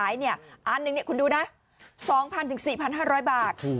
อันหนึ่งคุณดูนะ๒๐๐๔๕๐๐บาท